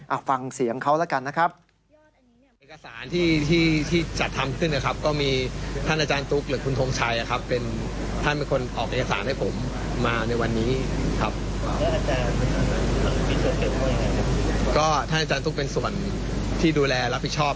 เอาฟังเสียงเขาแล้วกันนะครับ